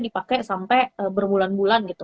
dipakai sampai berbulan bulan gitu